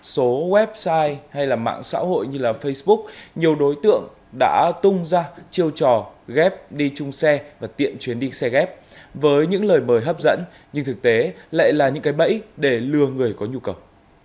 số website hay là mạng xã hội như facebook nhiều đối tượng đã tung ra chiêu trò ghép đi chung xe và tiện chuyến đi xe ghép với những lời mời hấp dẫn nhưng thực tế lại là những cái bẫy để lừa người có nhu cầu